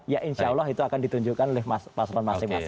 ya insya allah itu akan ditunjukkan oleh pasukan masing masing